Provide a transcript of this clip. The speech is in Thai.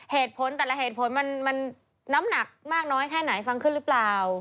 เหตุผลแต่ละเหตุผลมันน้ำหนักมากน้อยแค่ไหนฟังขึ้นหรือเปล่า